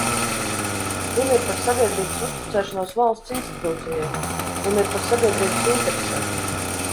Runa ir par sabiedrības uzticēšanos valsts institūcijai, runa ir par sabiedrības interesēm!